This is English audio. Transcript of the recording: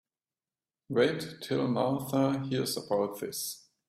Wait till Martha hears about this.